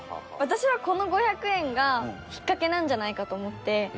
私はこの５００円が引っ掛けなんじゃないかと思って。